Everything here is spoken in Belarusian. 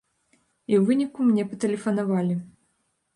І ў выніку мне патэлефанавалі.